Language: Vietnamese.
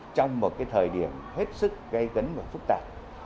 trong một thời điểm hết sức gây cấn và phức tạp